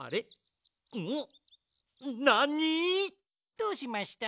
どうしました？